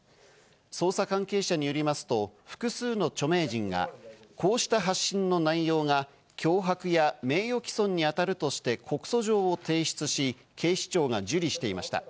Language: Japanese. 捜査関係者によりますと複数の著名人が、こうした発信の内容が脅迫や名誉毀損に当たるとして告訴状を提出し、警視庁が受理していました。